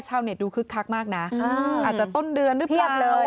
ชาวเน็ตดูคึกคักมากน่ะอืมอาจจะต้นเดือนหรือเปล่าเพียบเลย